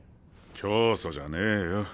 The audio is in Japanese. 教祖じゃねぇよ。